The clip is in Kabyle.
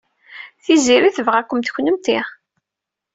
Tiziri tebɣa-kent kennemti.